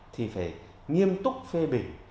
thì phải nghiêm túc phê bình